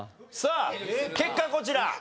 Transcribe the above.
さあ結果こちら。